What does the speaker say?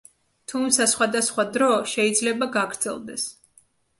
თუმცა სხვადასხვა დრო შეიძლება გაგრძელდეს.